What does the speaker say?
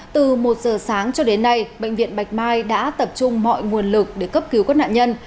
từ một giờ sáng cho đến nay bệnh viện bạch mai đã tập trung mọi nguồn lực để cấp cứu các nạn nhân